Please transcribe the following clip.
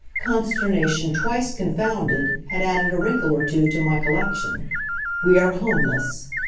Consternation twice confounded had added a wrinkle or two to my collection. We are homeless.